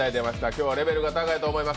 今日はレベルが高いと思います。